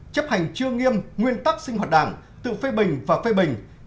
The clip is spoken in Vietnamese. chấp hành chưa nghiêm nguyên tắc sinh hoạt đảng tự phê bình và phê bình